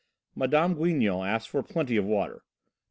Mme. Guinon asked for plenty of water.